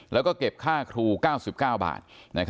แล้วก็เก็บค่าครู๙๙บาท